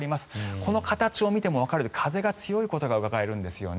この形を見てもわかるように風が強いことがうかがえるんですよね。